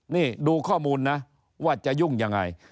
นี่ดูข้อมูลนะว่าจะยุ่งยังไง